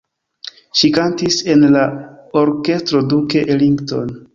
Ŝi kantis en la Orkestro Duke Ellington.